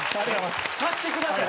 買ってください！